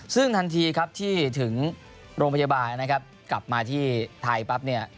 ซึ่งทันทีครับที่ถึงโรงพยาบาลนะครับกลับมาที่ไทยปั๊บเนี่ย